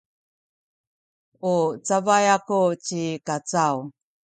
u cabay aku ci Kacaw.